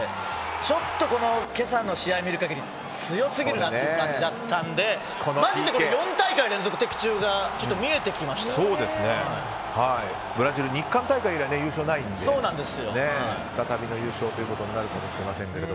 ちょっと今朝の試合を見る限り強すぎるなという感じだったのでマジで４大会連続的中がブラジル、日韓大会以来優勝はないので再びの優勝となるかもしれません。